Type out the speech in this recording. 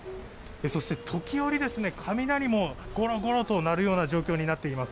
そして時折、雷もゴロゴロと鳴るような状況となっています。